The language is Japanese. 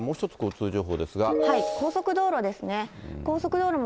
高速道路ですね。